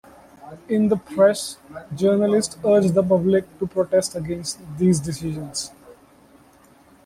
In the press journalists urged the public to protest against these decisions.